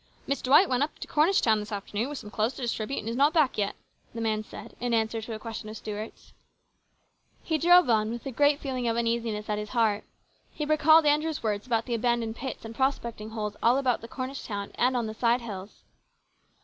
" Miss Dvvight went up to Cornish town this afternoon with some clothes to distribute, and is not yet back," the man said in answer to a question of Stuart's. He drove on with a great feeling of uneasiness at his heart. He recalled Andrew's words about the abandoned pits and prospecting holes all about Cornish town and on the sidehills.